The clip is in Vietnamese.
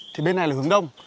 thì bên này là hướng đông